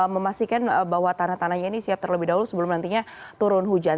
memastikan bahwa tanah tanahnya ini siap terlebih dahulu sebelum nantinya turun hujan